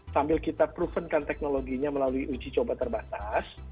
sambil kita provenkan teknologinya melalui uji coba terbatas